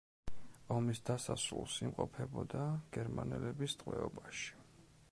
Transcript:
ომის დასასრულს იმყოფებოდა გერმანელების ტყვეობაში.